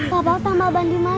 papa wordtambah ban di mana